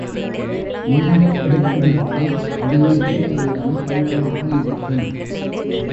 நுங்கை எடுத்துவிட்டால், அது இருந்த இடம் பள்ளமாக இருக்கும்.